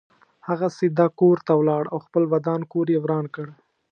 هغه سیده کور ته ولاړ او خپل ودان کور یې وران کړ.